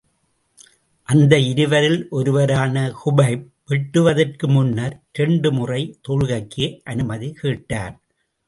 அந்த இருவரில் ஒருவரான குபைப் வெட்டப்படுவதற்கு முன்னர் இரண்டு முறை தொழுகைக்கு அனுமதி கேட்டார்.